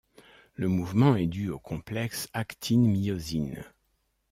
Le mouvement est dû au complexe actine-myosine.